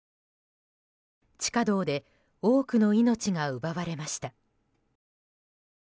地下道で多くの命が奪われました。